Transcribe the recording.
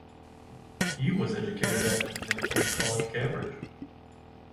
He was educated at Eton and King's College, Cambridge.